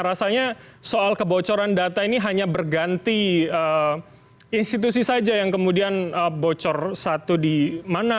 rasanya soal kebocoran data ini hanya berganti institusi saja yang kemudian bocor satu di mana